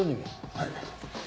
はい。